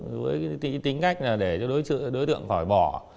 với tính cách là để cho đối tượng tỏi bỏ